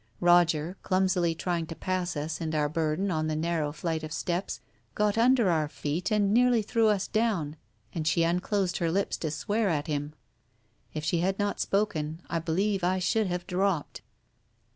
Roger, clumsily trying to pass us and our burden on the narrow flight of steps, got under our feet and nearly threw us down, and she unclosed her lips to swear at him. If she had not spoken, I believe I should have dropped.